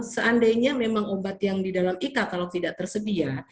seandainya memang obat yang di dalam ika kalau tidak tersedia